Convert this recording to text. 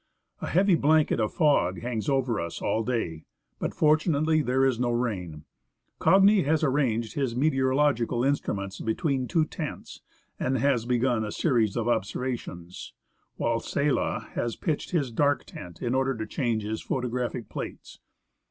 A heavy blanket of fog hangs over us all day, but, fortunately, there is no rain. Cagni has arranged his meteorological instruments between two tents, and has begun a series of observations, while Sella has pitched his dark tent in order to change his photographic plates.